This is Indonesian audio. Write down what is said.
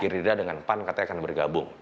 pertama pertarungan dari ketiga partai akan bergabung